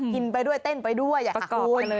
กินไปด้วยเต้นไปด้วยอย่าหากอบไปเลยนะคะ